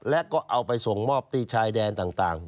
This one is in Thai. และก็เอาไปส่งมอบที่ชายแดนต่าง